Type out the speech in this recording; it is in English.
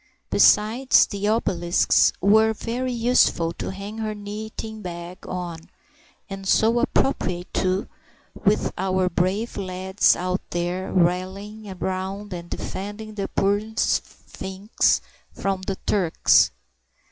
Besides, the obelisks were very useful to hang her knitting bag on, and so appropriate too, with our brave lads out there rallying round and defending the poor sphinx from the Turks.